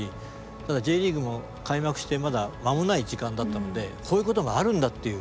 ただＪリーグも開幕してまだ間もない時間だったのでこういうことがあるんだっていう。